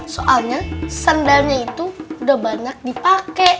soalnya sendalnya itu udah banyak dipake